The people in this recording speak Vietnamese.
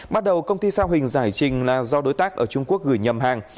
bắt đầu công ty sao hình giải trình là do đối tác ở trung quốc gửi nhầm hàng